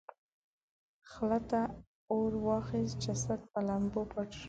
خلته اور واخیست جسد په لمبو پټ شو.